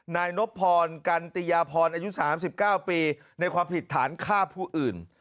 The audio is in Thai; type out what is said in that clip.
นายนบพรกันติยาพรอายุ๓๙ปีในความผิดฐานฆ่าผู้อื่น